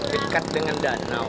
dekat dengan danau